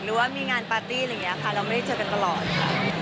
หรือว่ามีงานปาร์ตี้อะไรอย่างนี้ค่ะเราไม่ได้เจอกันตลอดค่ะ